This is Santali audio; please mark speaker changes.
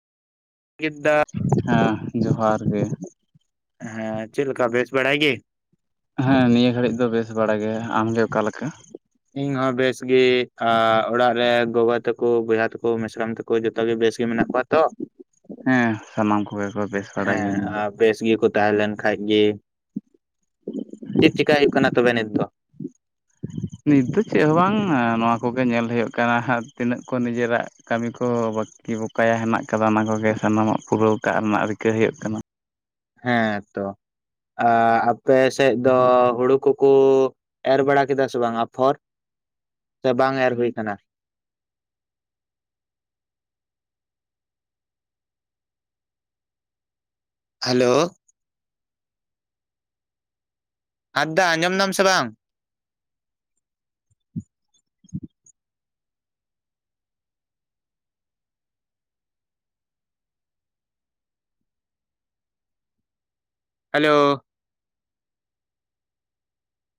Speaker 1: ᱜᱤᱫᱽ ᱫᱟ᱾
Speaker 2: ᱦᱮᱸ ᱡᱚᱦᱟᱨ ᱜᱮ᱾
Speaker 1: ᱦᱮᱸ ᱪᱮᱜ ᱞᱮᱠᱟ᱾ ᱵᱮᱥ ᱵᱟᱲᱟᱭ ᱜᱤ?
Speaker 2: ᱦᱮᱸ ᱱᱤᱭᱟᱹ ᱜᱷᱟᱹᱲᱤᱜᱡ ᱫᱚ᱾ ᱵᱮᱥ ᱵᱟᱲᱟ ᱜᱮ, ᱟᱢ ᱜᱮ ᱚᱠᱟ ᱞᱮᱠᱟ?
Speaker 1: ᱤᱧ ᱦᱚᱸ ᱵᱮᱥ ᱜᱤ ᱾ ᱟ ᱚᱲᱟ-ᱜ ᱨᱮ ᱜᱚ-ᱜᱚ ᱛᱟᱹᱠᱼᱼ ᱠᱚ ᱾ ᱵᱚᱭᱦᱟ ᱛᱟᱠᱚ᱾ ᱢᱤᱥᱨᱟᱢ ᱛᱟᱠᱚ᱾ ᱡᱚᱛᱚ ᱜᱮ ᱵᱮᱥ ᱜᱮ ᱢᱮᱱᱟ-ᱜ ᱠᱚᱣᱟ ᱛᱚ?
Speaker 2: ᱦᱮᱸ ᱥᱟᱱᱟᱢ ᱠᱚ-ᱜᱮ ᱠᱚ, ᱵᱮᱥ ᱵᱟᱲᱟ
Speaker 1: ᱦᱮᱸ
Speaker 2: ᱜᱮᱭᱟ ᱾ᱱᱤᱭᱟᱹ
Speaker 1: ᱟᱨ
Speaker 2: ᱫᱚ
Speaker 1: ᱵᱮᱥ ᱜᱮᱠᱚ ᱛᱟᱦᱮᱸ ᱞᱮᱱ ᱠᱷᱟᱡ ᱜᱮ, ᱪᱤᱫ ᱪᱤᱠᱟᱭ ᱦᱩᱭᱩ-ᱜ ᱠᱟᱱᱟ᱾ ᱛᱚᱵᱮ ᱱᱤᱛ ᱫᱚ?
Speaker 2: ᱱᱤᱛ ᱫᱚ ᱪᱮᱜ ᱦᱚᱸ ᱵᱟᱝ ᱾ ᱟ ᱱᱚᱣᱟ ᱠᱚᱜᱮ ᱧᱮᱞ ᱦᱩᱭᱩ-ᱜ ᱠᱟᱱᱟ ᱾ ᱦᱟᱸᱜ ᱛᱤᱱᱟᱹᱜ ᱠᱚ, ᱱᱤᱡᱟᱹ ᱨᱟᱜᱼᱼ ᱠᱟᱹᱢᱤ ᱠᱚ, ᱵᱟᱹᱠᱤ ᱵᱚᱠᱟᱭᱟ ᱦᱮᱱᱟ-ᱜ ᱠᱟᱫᱟ᱾ ᱚᱱᱟ ᱠᱚᱜᱮ ᱥᱟᱱᱟᱢᱟ-ᱜ ᱯᱩᱨᱟᱹᱣ ᱠᱟᱜ ᱨᱮᱱᱟ-ᱜ ᱨᱤᱠᱟᱹ ᱦᱩᱭᱩ-ᱜ ᱠᱟᱱᱟ᱾
Speaker 1: ᱦᱮᱸ ᱛᱚ ᱾ᱟ ᱟᱯᱮ ᱥᱮᱜ ᱫᱚ, ᱦᱩᱲᱩ ᱠᱩ - ᱠᱩᱼᱼ ᱮᱨ ᱵᱟᱲᱟ ᱠᱮᱫᱟ ᱥᱮ ᱵᱟᱝ ᱟᱯᱷᱚᱨ᱾ ᱥᱮ ᱵᱟᱝ ᱮᱨ ᱦᱩᱭ ᱠᱟᱱᱟ? ᱦᱮᱞᱳᱣᱼᱼ ᱦᱟᱸᱫᱽ ᱫᱟ᱾ ᱟᱸᱡᱚᱢ ᱫᱟᱢ ᱥᱮ, ᱵᱟᱝ? ᱦᱮᱞᱳ᱾